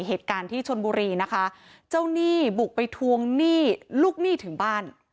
เหตุการณ์ที่ชนบุรีนะคะเจ้าหนี้บุกไปทวงหนี้ลูกหนี้ถึงบ้าน